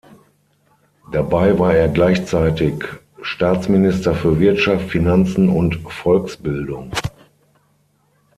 Dabei war er gleichzeitig Staatsminister für Wirtschaft, Finanzen und Volksbildung.